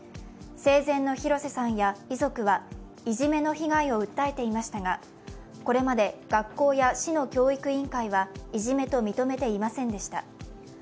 生前の廣瀬さんや遺族はいじめの被害を訴えていましたが、これまで学校や市の教育委員会はいじめと認めていませんでした。